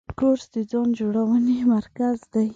کورس د ځان جوړونې مرکز دی.